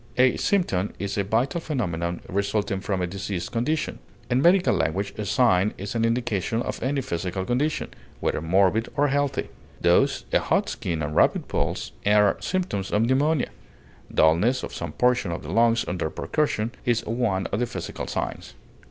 A symptom is a vital phenomenon resulting from a diseased condition; in medical language a sign is an indication of any physical condition, whether morbid or healthy; thus, a hot skin and rapid pulse are symptoms of pneumonia; dulness of some portion of the lungs under percussion is one of the physical signs.